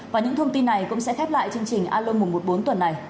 và những thông tin này cũng sẽ khép lại chương trình alo một mươi bốn tuần này